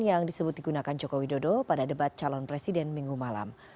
yang disebut digunakan joko widodo pada debat calon presiden minggu malam